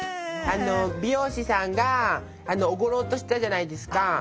美容師さんがおごろうとしたじゃないですか。